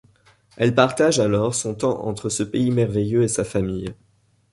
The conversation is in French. Elle partage alors son temps entre ce pays merveilleux et sa famille.